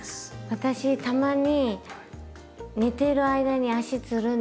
私たまに寝てる間に足つるんですよ。